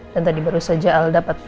dan tadi baru saja al dapat